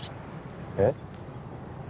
えっ？